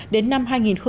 đến năm hai nghìn ba mươi